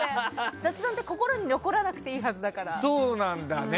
雑談って心に残らなくていいはずだから。